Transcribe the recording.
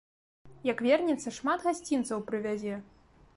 Як вернецца, шмат гасцінцаў прывязе.